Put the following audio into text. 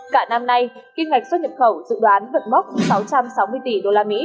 cả năm nay kinh ngạch xuất nhập khẩu dự đoán vận mốc sáu trăm sáu mươi tỷ usd